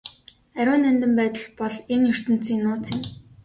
Ариун нандин байдал бол энэ ертөнцийн нууц юм.